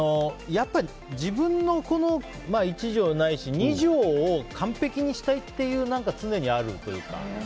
やっぱり、自分の１畳ないし２畳を完璧にしたいっていうのは常にあるというか。